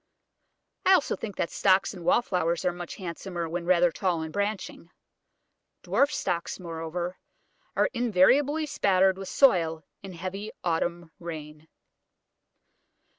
I also think that Stocks and Wallflowers are much handsomer when rather tall and branching. Dwarf Stocks, moreover, are invariably spattered with soil in heavy autumn rain.